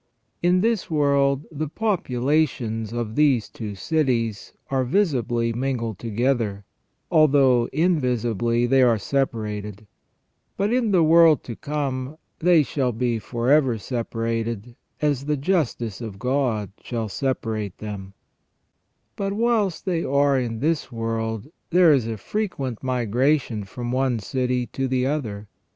In this world the populations of these two cities are visibly mingled together, although invisibly they are separated. But in the world to come they shall be for ever separated, as the * S. Leo, Serm. 5 in Nativ. Domini. 350 THE REGENERATION OF MAN. justice of God shall separate them. But whilst they are in this world there is a frequent migration from one city to the other.